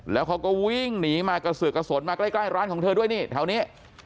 แล้วเขาก็วิ่งหนีมาสืบกระสดงล้ายร้านของเธอด้วยนี่แถวนี้